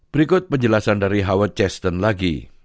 berikut penjelasan dari howard chaston lagi